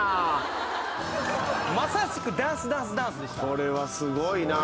これはすごいな。